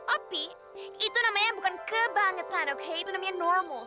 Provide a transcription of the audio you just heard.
opi itu namanya bukan kebangetan oke itu namanya nomo